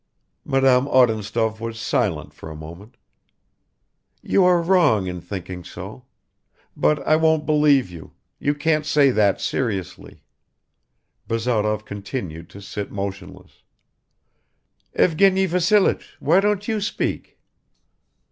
Madame Odintsov was silent for a moment. "You are wrong in thinking so. But I don't believe you. You can't say that seriously." Bazarov continued to sit motionless. "Evgeny Vassilich, why don't you speak?"